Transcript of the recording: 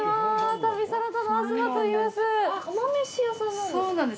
旅サラダの東といいます。